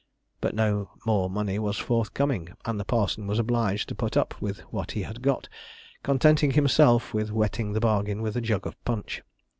But no more money was forthcoming, and the parson was obliged to put up with what he had got, contenting himself with wetting the bargain with a jug of punch.